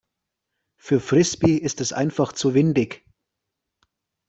Für Frisbee ist es einfach zu windig.